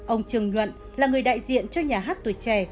ông trường luận là người đại diện cho nhà hát tuổi trẻ